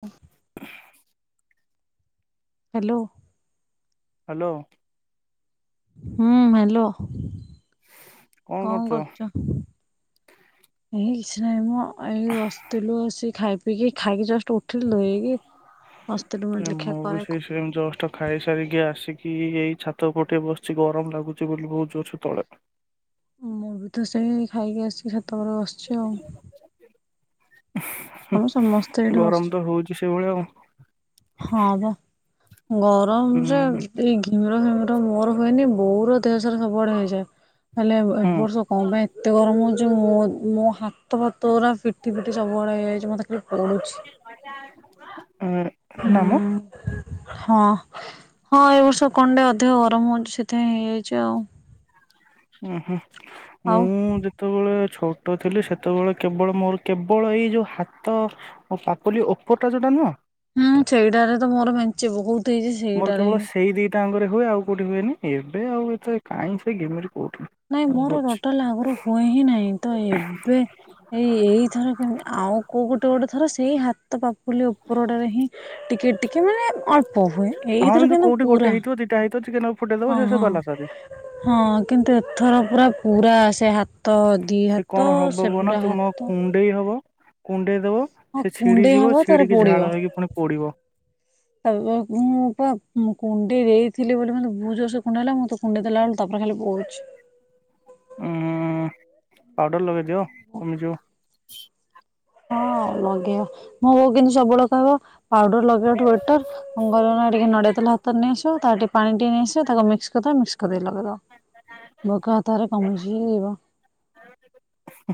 ହ [inaudible] hello hello ହୁଁ hello କଣ କରୁଛ? [inaudible] ଏ କିଛି ନାଇ ମ ଆଇ ବସିଥିଲୁ ଆସିକି ଖାଇ ପିଇକି ଖାଇକି ଜଷ୍ଟ ଉଠିଲି ଦୁ ହେଇକି ଅସ୍ତ ଏ ଲେଖା ମୁଁ ବି କର ସେଇ ଜଷ୍ଟ ଖାଇସାରିକି ଆସିକି ଏଇ ଛାତ ଗୋଟେ ବସିଛି ଗରମ ଲାଗୁଛି ବୋଲି ବହୁତ ଜୋର ସେ ତଳେ ମୁଁବିତ ସେଇ ଖାଇକି ଆସିକି ଛାତ ଉପରେ ବସିଚି ଆଉ। ଆମେ ସମସ୍ତେ ଏଇଠି ବସିଛୁ। ଗରମତ ହଉଚି ସେଇଭଳିଆ ଆଉ। ହଁ ବା ଗରମଜେ ହୁଁ ଏଇ ଘିମିର ଫିମିର ମୋର ହୁଏନି ବୋଉର ଦେହସାରା ସବୁଆଡ଼େ ହେଇଯାଏ ହେଲେ ଏବ ହୁଁ ବର୍ଷ କଁ ପାଇଁ ଏତେ ଗରମ ହଉଚି ମୁ ମୋ ହାତ ଫାତରା ପିଟି ଫିଟି ସବୁଆଡ଼େ ହେଇଯାଇଚି ମତେ ଖାଲି ପଢ଼ୁଚି। [unintelligible] ଉଁ। ହୁଁ ହଁ ହଁ ଏବର୍ଷ କଣ୍ଡେ ଅଧିକ ଗରମ ହଉଚି ସେ ଥି ହେଇଯାଉଚି। ଉ ହୁଁ ମୁଁ ଆଉ ଯେ ଯେତେବେଳେ ଛୋଟ ଥିଲି ସେତେବେଳେ କେବଳ ମୋର କେବଳ ଏଇ ଯେଉଁ ହାତ ପାପୁଲି ଓପୋରଟା ଯୋଉଟା ନୁହଁ ହୁଁ ସେଇଟାରେତ ମୋର ମେଞ୍ଚେ ବହୁତ୍ ମୋର କେବଳ ସେଇ ଦିଟା ଆଙ୍ଗରେ ହୁଏ ଆଉ କୋଉଠି ହୁଏନି ଏବେ ଆଉ ଏ କାଇଁ ସେ ଘିମିର ନାଇଁ ମୋର ଟୋଟାଲି ଆଗରୁ ହୁଏହିଁ ନାହିଁତ ଏବେ ଏଇ ଏଇଥର କେମତି ଆଉ କୋଉ ଗୋଟେ ଗୋଟେ ଥର ସେଇ ହାତ ପାପୁଲି ଉପରଟାରେ ହିଁ ଟିକେ ଟିକେ ମାନେ ଅଳ୍ପ ହୁଏ ଏଇଥିର କିନ୍ତୁ ପୁରା ଦୁଇଟା ହେଇଥିବ ଟିକେନାଗରୁ ଫୁଟେ ହଁ ହଁ ହଁ କିନ୍ତୁ ଏଥର ପୁରା ପୁରା ସେ ହାତ ଦିଇ ସେ କଣ ହାତ ହବ କୁହନା ସେପୁରା ତୁମ ହାତ କୁଣ୍ଡେଇ ହବ କୁଣ୍ଡେଇ ଦବ ହଁ ସେଛିଡ଼ି କୁଣ୍ଡେଇ ଯିବ ଛିଡ଼ିକି ଝାଳ ହେଇକି ପୁଣି ପୋଡ଼ିବ। ତା ମୁଁପା କୁଣ୍ଡେଇ ଦେଇଥିଲି ବୋଲି ମତେ ବହୁତ୍ ଜୋରେସେ କୁଣ୍ଡେଇହେଲା ମୁଁତ କୁଣ୍ଡେଇଦେଲା ବେଳକୁ ତାପରେ ଖାଲି ପଡ଼ୁଚି। ଉଁ ପାଉଡର ଲଗେଇଦିଅ କମିଯିବ। ହଁ ଲଗେଇବ ମୋବୋଉ କିନ୍ତୁ ସବୁବେଳେ କହିବ ପାଉଡର ଲଗେଇବାଠୁ ଟେଟର୍ ମୁଙ୍ଗର ଟିକେ ନଡ଼ିଆ ତେଲ ହାତରେ ନେଇଆସିବ ତାପରେ ଟିକେ ପାଣି ଟିକେ ନେଇଆସିବ ତାକୁ ମିକ୍ସ କରିଦବ ମିକ୍ସ କରିଦେଲେ ଲଗେଇବ ଭକୋ ହାତରେ କମିଜିବ।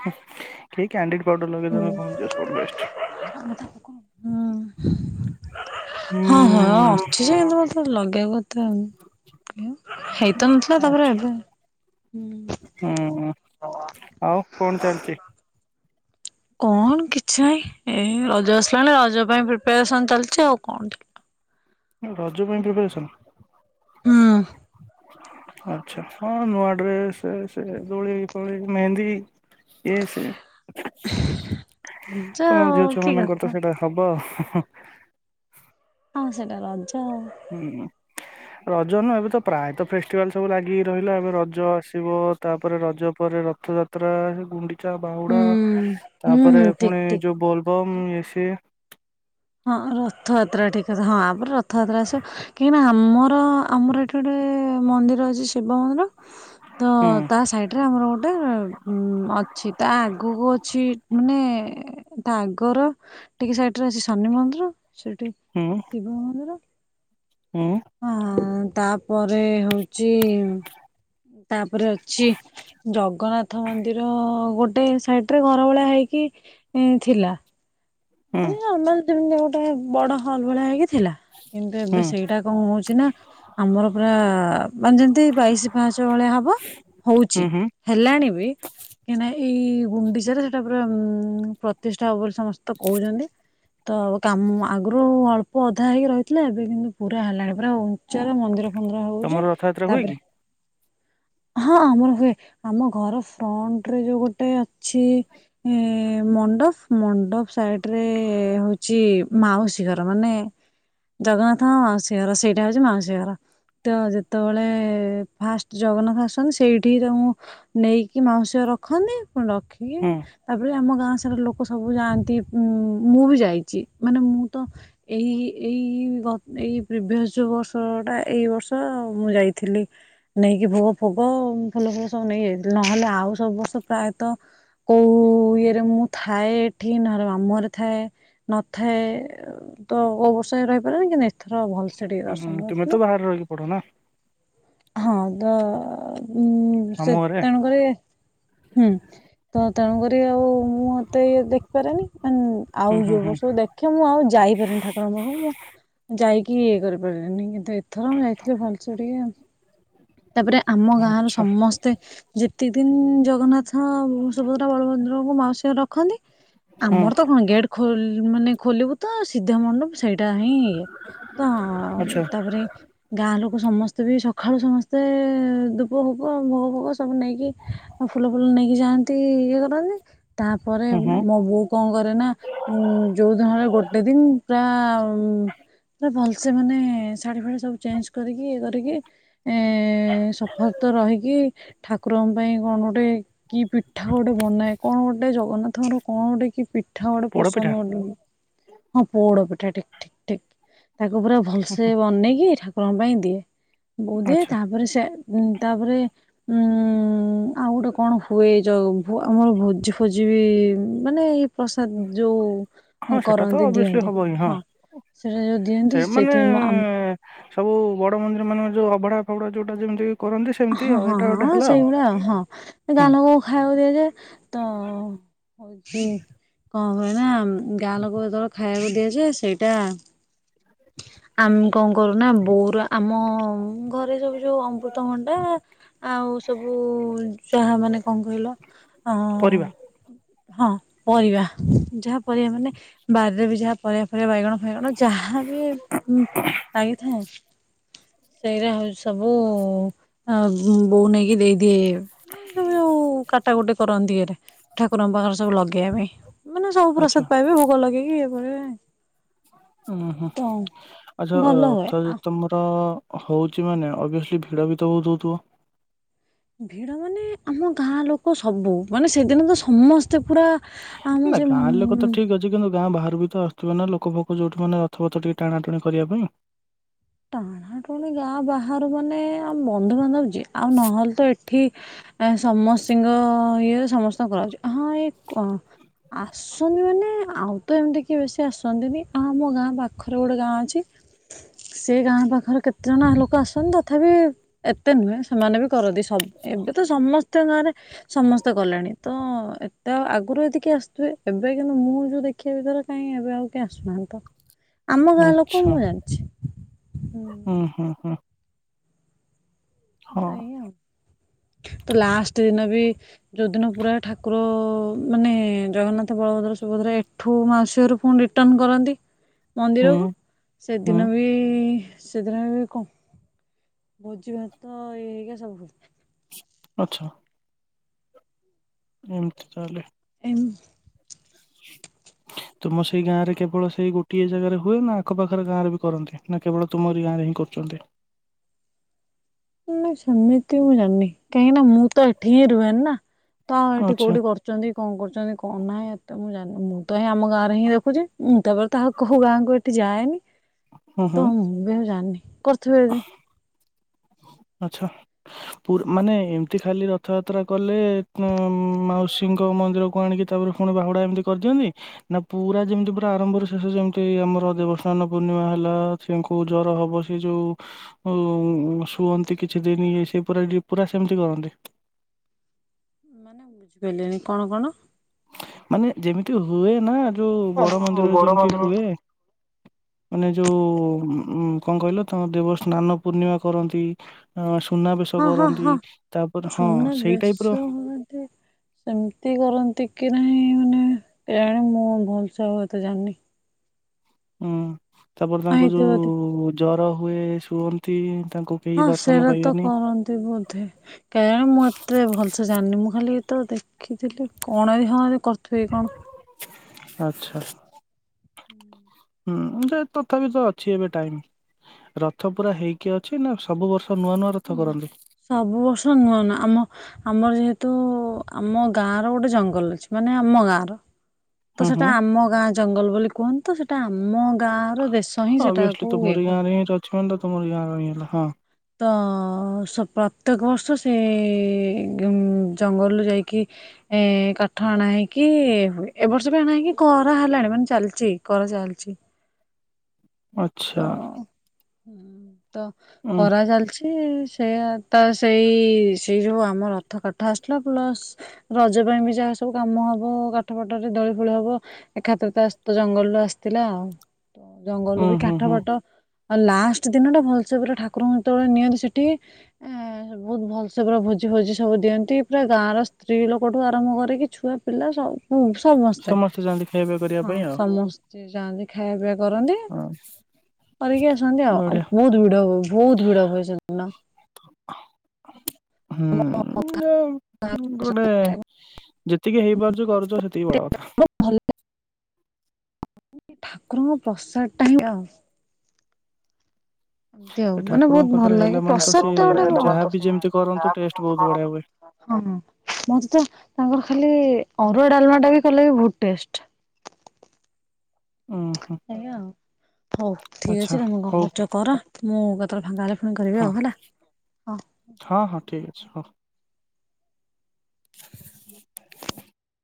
ଠିକ୍ କ୍ୟାଡି ପାଉଡର ଲଗେଇଦଉନ କମିଯିବ ସବୁଠୁ ବେଷ୍ଟେ। ମୁଁ ତାଙ୍କୁ ହୁଁ। ହଁ ହଁ ହୁଁ ଅଛିଯେ କିନ୍ତୁ ମତେ ଲଗେଇବାକୁ ଏତେ ହେଇତ ନଥିଲା ତାପରେ ଏବେ ହୁଁ ହୁଁ ଆଉ କଁ ଚାଲିଚି? କଣ କିଛି ନାହିଁ ଏ ରଜ ଆସିଲାଣି ରଜ ପାଇଁ ପ୍ରିପାରେସନ ଚାଲିଚି ଆଉ କଣ। ରଜ ପାଇଁ ପ୍ରିପାରେସନ୍? ହୁଁ। ଆଚ୍ଛା ହଁ ନୂଆ ଡ୍ରେସ୍ ସେଦୋଳି ଫୋଳି ମେହେନ୍ଦୀ ଏଇ ସିଏ ରଜ ତୁମ ଆଉ ଝିଅ କି କଥା ଛୁଆମାନଙ୍କରତ ସେଇଟା ହବ ହୁ ହୁ। ହଁ ସେଇଟା ରଜ। ହୁଁ ରଜ ନୁହଁ ଏବେତ ପ୍ରାୟତ ଫେଷ୍ଟିଭାଲ ସବୁ ଲାଗିି ରହିଲା ଏବେ ରଜ ଆସିବ ତାପରେ ରଜ ପରେ ରଥଯାତ୍ରା ସେଗୁଡି ଚା ହୁଁ ବାହୁଡ଼ା ହୁଁ ହୁଁ ତାପରେ ଠିକ ପୁଣି ଠିକ। ଯୋଉ ବୋଲବମ୍ ଇଏ ସିଏ ହଁ ରଥଯାତ୍ରା ଠିକ୍ କଥା ହଁ ଆପରେ ରଥଯାତ୍ରା ଆସି କାହିଁକିନା ଆମର ଆମର ଏଠି ଗୋଟେ ମନ୍ଦିର ଅଛି ଶିବ ମନ୍ଦିର ତ ହୁଁ ତା ସାଇଟି ଏରେ ଆମର ଗୋଟେ ଉ ଅଛି ତା ଆଗକୁ ଅଛି ମାନେ ତା ଆଗର ଟିକେ ସାଇଟରେ ଅଛି ଶନି ମନ୍ଦିର ସେଠି ଶିବ ମନ୍ଦିର। ଉଁ ଆ ତା ପରେ ହଉଛି ତାପରେ ଅଛି ଜଗନ୍ନାଥ ରଥ ମନ୍ଦିର ଗୋଟେ ସାଇଡ଼ରେ ଘର ଭଳିଆ ହେଇକି ଇ ଥିଲା। ହୁଁ ମାନେ ନର୍ମାଲ ଯେମିତି ଗୋଟେ ବଡ ହଲ୍ ଭଳିଆ ହେଇକି ଥିଲା କିନ୍ତୁ ଏବେ ହୁଁ ସେଇଟା କଣ ହଉଛି ନା ଆମର ପୁରା ମାନେ ଯେମିତି ବାଇଶି ପାଶ ଭଳିଆ ହବ ହୁଁ ହଉଛି। ହୁଁ ହେଲାଣି ବି କାହିଁକିନା ଏଇ ଗୁଣ୍ଡିଚାରେ ସେଟା ପୁରା ଉ ପ୍ରତିଷ୍ଠା ହବ ସମସ୍ତେ ତ କହୁଛନ୍ତି। ତ କାମ ଆଗରୁ ଅଳ୍ପ ଅଧା ହେଇକି ରହିଥିଲା ଏବେ କିନ୍ତୁ ପୁରା ହେଲାଣି ପୁରା ଉଚ୍ଚାର ମନ୍ଦିର ମନ୍ଦିର ତମର ହଉଚି ରଥଯାତ୍ରା ହୁଏ କି? ତାପରେ ହଁ ଆମର ହୁଏ ଆମ ଘର ଫ୍ରଣ୍ଟରେ ଯୋଉ ଗୋଟେ ଅଛି ଏ ମଣ୍ଡପ ମଣ୍ଡପ ସାଇଟି ରେ ହଉଛି ମାଉସୀ ଘର ମାନେ ଜଗନ୍ନାଥଙ୍କ ମାଉସୀ ଘର ସେଇଟା ହଉଛି ମାଉସୀ ଘର। ତ ଯେତେବେଳେ ଫାଷ୍ଟ ଜଗନ୍ନାଥ ଆସନ୍ତି ସେଇଠିି ତ ମୁଁ ନେଇକି ମାଉସି ରଖନ୍ତି ରଖିକି ହୁଁ ତାପରେ ଆମ ଗାଁ ସାରା ଲୋକ ସବୁ ଯାଆନ୍ତି ଉ ମୁଁ ବି ଯାଇଛି ମାନେ ମୁଁ ତ ଏଇ ଏଇ ବ ଏଇ ପ୍ରିଭିଅସ୍ ଯେଉଁ ବର୍ଷଟା ଏଇ ବର୍ଷ ମୁଁ ଯାଇଥିଲି। ନେଇକି ଭୋଗ ଫୋଗ ଭଲ ଫୁଲ ଫୁଲ ସବୁ ନେଇଯାଇ ନହେଲେ ଆଉ ସବୁ ବର୍ଷ ପ୍ରାୟତଃ କୋଉ ଇଏରେ ମୁଁ ଥାଏ ଏଠି ନରମା ମାମୁଁ ଘରେ ଥାଏ ନଥାଏ ତ କୋଉ ବର୍ଷ ରହିପାରେନି [unintelligible] ଏଥର ଭଲ ସେ ଟିକେ ହୁଁ ହୁଁ ଦର୍ଶନ ତୁମେ କରୁଥିଲି। ତ ବାହାରେ ରହିକି ପଢ ନା ହଁ ତ ଉ ମାମୁଁ ସେ ଘରେ ତେଣୁକରି ହୁଁ ତ ତେଣୁକରି ଆଉ ମୁଁ ମତେ ଇଏ ଦେଖିପାରେନି। ହୁଁ ଆଉ ହୁଁ ହୁଁ ଯୋଉ ହୁଁ ବର୍ଷ ସବୁ ଦେଖ ମୁଁ ଆଉ ଯାଇପାରିନି ଠାକୁରଙ୍କ ପାଖକୁ ମୁଁ ଯାଇକି ଇଏ କରିପାରିନି କିନ୍ତୁ ଥରେ ମୁଁ ଯାଇଥିଲି ଭଲସେ ଟିକେ ତାପରେ ଆମ ଗାଁର ଆଚ୍ଛା ସମସ୍ତେ ତେ ଯେତିକ ଦିନ୍ ଜଗନ୍ନାଥ ସୁଭଦ୍ରା ବଳଭଦ୍ରଙ୍କୁ ମାଉସୀ ଘରେ ରଖନ୍ତି ହୁଁ ଆମର ତ କଣ ଗେଟ୍ ଖୋଲି ମାନେ ଖୋଲିବୁ ତ ସିଧା ମଣ୍ଡପ ସେଇଟା ହିଁ ଇଏ ହଁ ଆଚ୍ଛା ତାପରେ ଗାଁ ଲୋକ ସମସ୍ତେ ବି ସକାଳୁ ସମସ୍ତେ ଧୂପ ଭୋଗ ଭୋଗ ଭୋଗ ସବୁ ନେଇକି ଆଉ ଫୁଲ ଫୁଲ ନେଇକି ଯାଆନ୍ତି ଇଏ କରନ୍ତି ତାପରେ ହୁଁ ହୁଁ ମୋ ବୋଉ କଣ କରେ ନା ଉ ଯୋଉଦିନ ହେଲେ ଗୋଟେ ଦିନ ପୁରା ଭଲସେ ମାନେ ଶାଢ଼ୀ ଫାଢି ସବୁ ଚେଞ୍ଜ୍ କରିକି ଇଏ କରିକି ଏ ସଫା ସୁତର ରହିକି ଠାକୁରଙ୍କ ପାଇଁ କଣ ଗୋଟେ କି ପିଠା ଗୋଟେ ବନାଏ କଣ ଗୋଟେ ଜଗନ୍ନାଥଙ୍କର କଣ ଗୋଟେ କି ପି ପିଠା ଗୋଟେ ପୋଡପିଠା ପସନ୍ଦ ହଁ ପୋଡ ପିଠା ଠିକ୍ ଠିକ୍ ଠିକ୍ ତାକୁ ପୁରା ଭଲସେ ବନେଇକି ଠାକୁରଙ୍କ ପାଇଁ ଦିଏ ବୋଉ ଦିଏ ଆଚ୍ଛା ତାପରେ ସେ ତାପରେ ଉଁ ଆଉ ଗୋଟେ କଣ ହୁଏ ଏ ଯ ଆମର ଭୋଜି ଫୋଜି ବି ମାନେ ପ୍ରସାଦ ଯୋଉ ହଁ ସେଟା ତ କରନ୍ତି ଅଭିଅସଲି ଦିଅନ୍ତି ହବ ହିଁ ହଁ। ସେଇଟା ଯୋଉ ଦିଅନ୍ତି ସେମାନେ ସେଇଥି ମୁଁ ଆମ ସବୁ ବଡ ମନ୍ଦିର ମାନଙ୍କରେ ଯୋଉ ଅଭଡ଼ା ଫଭଡା ଯୋଉଟା ଯେମିତି କରନ୍ତି ସେମିତି ହଁ ଆଉ ହଁ ଏଇଟା ଗୋଟେ ହଁ ହେଲା ଆଉ ସେଇଗୁଡା ହଁ, ଗାଁ ହୁଁ ଲୋକଙ୍କୁ ଖାଇବାକୁ ଦିଆଯାଏ, ତ ହଉଚି କଣ କହିଲ, ଗାଁ ଲୋକଙ୍କୁ ଯେତେବେଳେ ଖାଇବାକୁ ଦିଆଯାଏ, ସେଇଟା ଆମେ କଣ କରୁନା ବୋଉର ଆମ ଘରେ ସବୁ ଯୋଉ ଅମୃତଭଣ୍ଡା ଆଉ ସବୁ ଯାହା ମାନେ କଣ କହିଲ ଅଁ ଅଁ ପରିବା। ହଁ ପରିବା, ଯାହା ପରିବା ମାନେ ବାରିରେ ବି ଯାହା ପରିବା ଫରିବା ବାଇଗଣ ବାଇଗଣ ଯାହାବି ଲାଗିଥାଏ, ସେଇଟା ହଉଚି ସବୁ ଆ ବୋଉ ନେଇକି ଦେଇଦିଏ ସବୁ ଯୋଉ କାଟା କୁଟି କରନ୍ତି ଇଏରେ, ଠାକୁରଙ୍କ ପାଖରେ ସବୁ ଲଗେଇବା ପାଇଁ। ମାନେ ସବୁ ଆଚ୍ଛା। ପ୍ରସାଦ ପାଇବେ, ଭୋଗ ଲଗେଇକି, ଇଏ କରିବେ ଉଁ ହୁଁ, ଆଛା, ଭଲ ହୁଏ ରଥ ଯେ ଆ ତମର ହଉଚି ମାନେ, ଅବିଅସିଲି୍ ଭିଡ ଭି ତ ବହୁତ୍ ହଉଥିବ? ଭିଡ ମାନେ ଆମ ଗାଁ ଲୋକ ସବୁ, ମାନେ ସେଦିନ ତ ସମସ୍ତେ ପୁରା ଆମ ନା ସେ ମଁ ଗାଁ ଲୋକ ତ ଠିକ କିନ୍ତୁ ଗାଁ ବାହାରୁ ବି ତ ଆସୁଥିବ ନା ଲୋକ ଫୋକ ଯୋଉଠୁ ମାନେ ରଥପଥ ଟିକେ ଟାଣା ଟୁଣି କରିବା ପାଇଁ? ଟାଣା ଟୁଣି ଗାଁ ବାହାରୁ ମାନେ, ଆମ ବନ୍ଧୁବାନ୍ଧବ ଯିଏ, ଆଉ ନହେଲେ ତ ଏଠ୍ ଏଠି ସମସ୍ତିଙ୍କ ଇଏରେ ସମସ୍ତ କରନ୍ତି, ହଁ ଏଇ କ ଆସ୍ ଆସନ୍ତି ମାନେ, ଆଉ ତ ଏମିତି କି ବେଶୀ ଆସନ୍ତିନି, ଆଉ ଆମ ଗାଁ ପାଖରେ ଗୋଟେ ଗାଁ ଅଛି ସେ ଗାଁ ପାଖରେ କେତେଜଣ ଲୋକ ଆସନ୍ତି, ତଥାପି ଏ ଏତେ ନୁହେଁ ସେମାନେ ବି କରନ୍ତି ସବୁ, ଏବେ ତ ସମସ୍ତଙ୍କ ଗାଁରେ ସମସ୍ତେ କଲେଣି। ତ ଏତେ ଆଉ ଆଗରୁ ଏତେ କିଏ ଆସୁଥିବେ, ଏବେ କିନ୍ତୁ ମୁଁ ଯୋଉ ଦେଖିବା ଭିତରେ କାହିଁ ଏବେ ଆଉ କିଏ ଆସୁନାହାନ୍ତି ତ? ଆମ ଗାଁ ଲୋକ ଆଚ୍ଛା। ମୁଁ ଜାଣିଚି। ହୁଁ ହୁଁ ହୁଁ। ହଁ ତ ଏଇ ଆଉ, ତ ଲାଷ୍ଟ ଦିନ ବି ଯୋଉଦିନ ପୁରା ଠାକୁର ଅ ଅ, ମାନେ ଜଗନ୍ନାଥ, ବଳଭଦ୍ର, ସୁଭଦ୍ରା ଏ ଏଠୁ ମାଉସି ଘରୁ ପୁଣି ରିଟନ୍ କରନ୍ତି ହୁଁ ମନ୍ଦିରକୁ, ହୁଁ ସେଦିନ ବି, ସେଦିନ ବି କଣ ଭୋଜି ଭାତ ଇଏ ହେଇକା ସବୁ। ଆଛା। ଏମିତି ତାହାଲେ। ଏମ୍ [unintelligible] ତୁମ ସେଇ ଗାଁ ରେ କେବଳ ସେଇ ଗୋଟିଏ ଜାଗାରେ ହୁଏ, ନା ଆଖ ପାଖରେ ଗାଁରେ ବି କରନ୍ତି? ନା କେବଳ ତୁମରି ଗାଁରେ ହିଁ କରୁଚନ୍ତି? ମୁଁ ସେମିତି ମୁଁ ଜାଣିନି, କାହିଁକି ନା ମୁଁ ତ ଏଠି ହିଁ ରୁହେନି ନା? ତ ଆଉ ଏଠି ଆଚ୍ଛା କୋଉଠି କରୁ କରଚନ୍ତିଶ କଣ କରୁଚନ୍ତି, କଣ ନାହିଁ ଏତେ ମୁଁ ଜାଣିନି। ମୁଁ ତ ହିଁ ଆମ ଗାଁ ରେ ହିଁ ଦେଖୁଚି, ମୁଁ ତାପରେ ତ ଆଉ କୋଉ ଗାଁକୁ ଏତେ ଯାଏନି, ହୁଁ ହୁଁ। ତ ମୁଁ [unintelligible] ଜାଣିନି। କରୁଥିବେ ବି? ଆଛା, ପୁରୀ ମାନେ ଏମିତି ଖାଲି ରଥଯାତ୍ରା କଲେ, କଣ ମାଉସୀଙ୍କ ମନ୍ଦିରକୁ ଆଣିକି, ତା ପରେ ପୁଣି ବାହୁଡ଼ା ଏମିତି କରିଦିଅନ୍ତି? ନା ପୁରା ଯେମିତି ପୁରା ଆରମ୍ଭରୁ ଶେଷ ଯେମିତି ଆମର ଦେବସ୍ନାନ ପୂର୍ଣ୍ଣିମା ହେଲା ତାଙ୍କୁ ଜ୍ୱର ହବ ସେ ଯୋଉ ଉ ରୁହନ୍ତି କିଛି ଦିନି, ଇଏ ସିଏ, ପୁରା ଡ଼ି ପୁରା ସେମିତି କରନ୍ତି? ବେଲେଣି କଣ କଣ? ମାନେ ଯେମିତି ହୁଏ ନାଁ ଯୋଉ ବଡ଼ ସବୁ ମନ୍ଦିରରେ ବଡ ଯେମିତି ମନ୍ଦିର ହୁଏ। [inaudible] ମାନେ ଯୋଉ ଉ କଁ କହିଲ ତାଙ୍କ ଦେବ ସ୍ନାନ ପୂର୍ଣ୍ଣିମା କରନ୍ତି। ଅଁ ସୁନାବେଶ ହଁ ହଁ କରନ୍ତି ହଁ ତାପରେ ହଁ ସୁନା ସେଇ ଟାଇପର ବେଶ ହୁଅନ୍ତି। ସେମିତି କରନ୍ତିକି ନାହିଁ ମାନେ କେଜାଣି ମୁଁ ଭଲସେ ଆଉ ଏତେ ଜାଣିନି। ହୁଁ ତାପରେ ତାଙ୍କୁ ହେଇଥିବ ବୋଧେ ଯୋଉ ଜ୍ୱର ହୁଏ ଶୁଅନ୍ତି ତାଙ୍କୁ କେହି ହଁ ଦର୍ଶନ ସେରାତ ପାଇବେନି। କରନ୍ତି ବୋଧେ। କେଜାଣୀ ମୁଁ ଏତେ ଭଲସେ ଜାଣିନି ମୁଁ ଖାଲି ଏତ ଦେଖିଥିଲି କଣ ହଁ କରୁଥିବେ କଣ। ଆଚ୍ଛା। [inaudible] ହୁଁ ସେ ତଥାପିତ ଅଛି ଏବେ ଟାଇମ୍। ରଥ ପୁରା ହେଇକି ଅଛିନା ସବୁ ବର୍ଷ ନୂଆ ନୂଆ ରଥ କରନ୍ତି? ସବୁ ବର୍ଷ ନୂଆ ନୂଆ ଆମ ଆମର ଯେହେତୁ ଆମ ଗାଁର ଗୋଟେ ଜଙ୍ଗଲ ଅଛି ମାନେ ଆମ ଗାଁର ତ ହୁଁ ସେଟା ହୁଁ ଆମ ଗାଁ ଜଙ୍ଗଲ ବୋଲି କୁହନ୍ତିତ ସେଥି ସେଟା ଆମ ଗାଁର ଦେଶ ହିଁ ଅଭିଅସଲି ସେଟାକୁ ଇଏ ତୁମରି କରେ ଗାଁରେ ହିଁ ଅଛି ମାନେ ତ ତୁମରି ଗାଁର ହିଁ ହେଲା ହଁ। ତ ସ ପ୍ରତ୍ୟେକ ବର୍ଷ ସେଜଙ୍ଗଲରୁ ଯାଇକି ଏ କାଠ ଆଣା ହେଇକି ହୁଏ ଏଇ ବର୍ଷବି ଆଣା ହେଇକି କରା ହେଲାଣି ମାନେ ଚାଲିଚି କରା ଚାଲିଚି ଆଚ୍ଛା। ତ ଉଁ କରା ଚାଲିଚି ସେଇଆ ତସେଇ ସେଇ ଯଉଁ ଆମ ରଥ କଠା ଆସିଲା ପ୍ଲସ୍ ରଜ ପାଇଁବି ଯାହା ସବୁ କାମ ହବ କାଠ ଫାଠରେ ଦଳି ଫୁଳି ହବ। ଏକାଥରେତ ଆସ୍ତେ ଜଙ୍ଗଲରୁୁ ଆସିଥିଲା ଆଉ ଉଁ ଜଙ୍ଗଲରୁବି କା ହୁଁ ହୁଁ ଆଉ ଲାଷ୍ଟ ଦିନଟା ଭଲସେ ପୁରା ଠାକୁରଙ୍କୁ ଯେତେବେଳେ ନିଅନ୍ତି ସେଠିକି ଏଁ ବହୁତ୍ ଭଲସେ ପୁରା ଭୋଜି ଫୋଜି ସବୁ ଦିଅନ୍ତି ପୁରା ଗାଁର ସ୍ତ୍ରୀ ଲୋକଠୁ ଆରମ୍ଭ କରିକି ଛୁଆ ପିଲା ସବୁ ସମସ୍ତେ ଯାଆନ୍ତି ଖାଇବା କରିବା ହଁ ପାଇଁ ଆଉ। ସମସ୍ତେ ଯାଆନ୍ତି ଖାଇବା ପିଇବା କରନ୍ତି। ହଁ କରିକି ଆସନ୍ତି ଆଉ ଆଉ ବଢିଆ ବହୁତ୍ ଭିଡ଼ ହବ ବହୁତ୍ ଭିଡ଼ ହୁଏ ସେଦିନ। ହୁଁ ଲେ ଗୋଟେ ଯେତିକି ହେଇପାରୁଚି କରୁଚ ସେତିକି ବଡ଼ କଥା। ଭଲେ ଠାକୁରଙ୍କ ପ୍ରସାଦଟା ହିଁ ପୁରା ଏମିତି ଆଉ ମାନେ ଠାକୁରଙ୍କ ବହୁତ୍ ପାଖରେ ଭଲ ହେଲା ଲାଗେ ମାନେ ତ ପ୍ରସାଦ ସିଏ ଗୋଟେ [unintelligible] ହଁ ହଁ ଯାହାବି ଯେମିତି କରନ୍ତୁ ଟେଷ୍ଟ ବହୁତ ବଢିଆ ହୁଏ। ମୋତେ ତାଙ୍କର ଖାଲି ଅରୁଆ ଡ଼ାଲମାଟାବି କଲେବି ବହୁତ୍ ଟେଷ୍ଟେ। ଉଁ ହୁଁ। ଏଇଆ ଆଉ ହଉ ଠିକ୍ ଆଚ୍ଛା ଅଛି ତମେ କଣ ହଉ କରୁଚ କର ମୁଁ କେତେବେଳେ ଫାଙ୍କା ହେଲେ ଫୁଣି କରିବି ହଁ ଆଉ ହେଲା। ହଁ ହଁ ଠିକ୍ ଅଛି ହଁ। [inaudible]